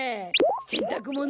せんたくもの！